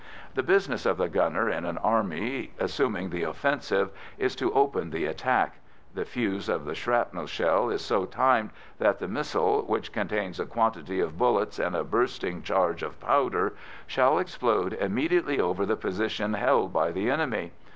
The business of the gunner in an army assuming the offensive is to open the attack. The fuse of the shrapnel shell is so timed that the missile, which contains a quantity of bullets and a bursting charge of powder, shall explode immediately over the position held by the enemy.